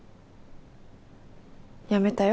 辞めたよ。